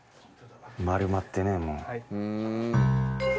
丸まってねもう。